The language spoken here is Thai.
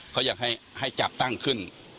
เขาอยากให้จัดตั้งขึ้น